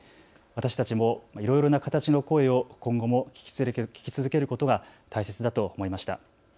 私たちもいろいろな形の声を今後も聴き続けることが大切だと思いました。